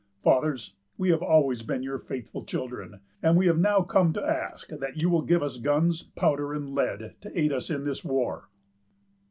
Fathers, we have always been your faithful children; and we now have come to ask that you will give us guns, powder, and lead, to aid us in this war."